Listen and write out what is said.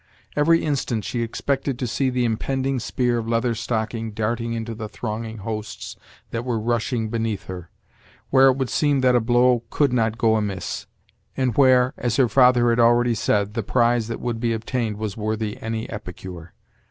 Every instant she expected to see the impending spear of Leather Stocking darting into the thronging hosts that were rushing beneath her, where it would seem that a blow could not go amiss; and where, as her father had already said, the prize that would be obtained was worthy any epicure.